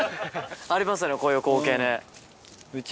ありますよねこういう光景ね。